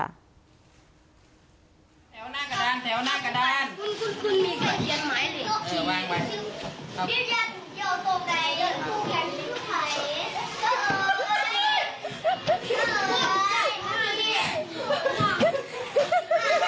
แถวหน้ากระดานแถวหน้ากระดาน